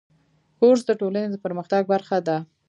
کورس د ټولنې د پرمختګ برخه ده.